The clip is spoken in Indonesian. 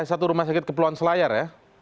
di satu rumah sakit ke pulau selaya ya